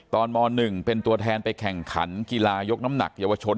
ม๑เป็นตัวแทนไปแข่งขันกีฬายกน้ำหนักเยาวชน